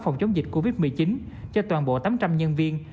phòng chống dịch covid một mươi chín cho toàn bộ tám trăm linh nhân viên